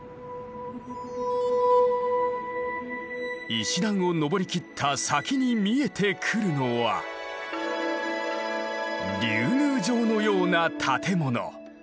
石段を上り切った先に見えてくるのは竜宮城のような建物。